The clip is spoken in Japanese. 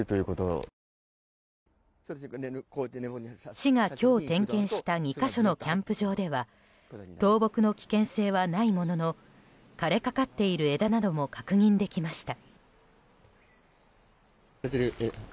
市が今日点検した２か所のキャンプ場では倒木の危険性はないものの枯れかかっている枝なども確認できました。